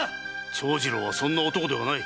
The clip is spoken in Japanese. ⁉長次郎はそんな男ではない。